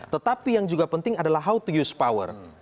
tetapi yang juga penting adalah how to use power